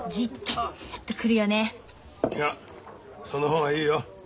いやその方がいいよ。